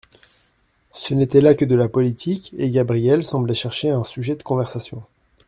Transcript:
Ce n'était là que de la politique, et Gabrielle semblait chercher un sujet de conversation.